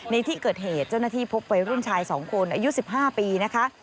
ในที่เกิดเหตุเจ้าหน้าที่พบวัยรุ่นชาย๒คนอายุ๑๕ปีนะคะ